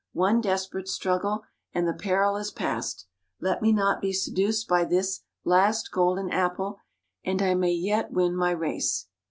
One desperate struggle, and the peril is past; let me not be seduced by this last golden apple, and I may yet win my race."